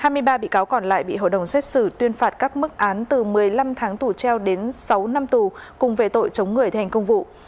hai mươi ba bị cáo còn lại bị hội đồng xét xử tuyên phạt các mức án từ một mươi năm tháng tù treo đến sáu năm tù cùng về tội chống người thi hành công vụ